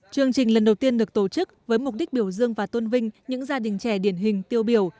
chương trình lần đầu tiên được tổ chức với mục đích biểu dương và tôn vinh những gia đình trẻ điển hình tiêu biểu